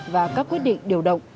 và các quyết định điều động